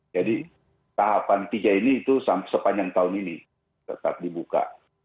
tahapan tiga ini itu sepanjang tahun ini tetap dibuka